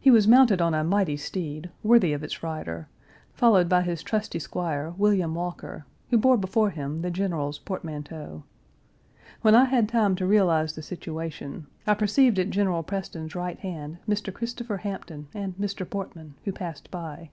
He was mounted on a mighty steed, worthy of its rider, followed by his trusty squire, William Walker, who bore before him the General's portmanteau. When I had time to realize the situation, I perceived at General Preston's right hand Mr. Christopher Hampton and Mr. Portman, who passed by.